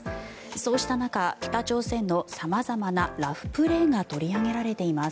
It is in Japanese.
そうした中北朝鮮の様々なラフプレーが取り上げられています。